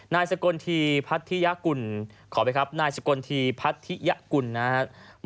นายสกลทีพัทธิยกุลขอไปครับนายสกลทีพัทธิยกุลนะครับ